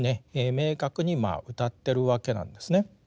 明確にうたってるわけなんですね。